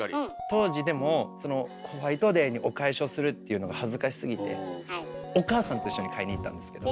当時でもそのホワイトデーにお返しをするっていうのが恥ずかしすぎてお母さんと一緒に買いに行ったんですけど。